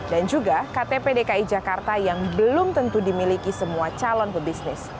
dan juga ktp dki jakarta yang belum tentu dimiliki semua calon pebisnis